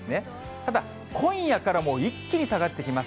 ただ今夜から、もう一気に下がってきます。